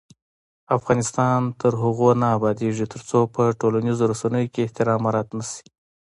افغانستان تر هغو نه ابادیږي، ترڅو په ټولنیزو رسنیو کې احترام مراعت نشي.